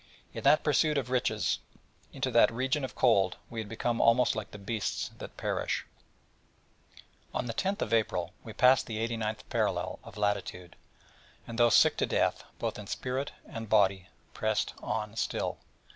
In that pursuit of riches into that region of cold, we had become almost like the beasts that perish. On the 10th April we passed the 89th parallel of latitude, and though sick to death, both in spirit and body, pressed still on.